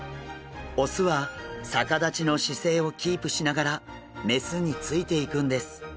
雄は逆立ちの姿勢をキープしながら雌についていくんです。